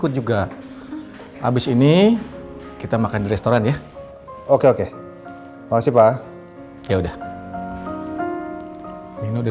dulu saya pernah ke rumahnya tapi saat pamit bilang udah pindah